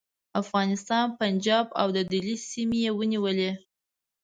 افغانستان، پنجاب او د دهلي سیمې یې ونیولې.